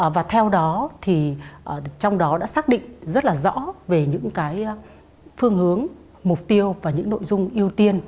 và theo đó thì trong đó đã xác định rất là rõ về những phương hướng mục tiêu và những nội dung ưu tiên